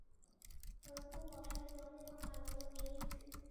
而凤宝钗则为他买来了连衣裙。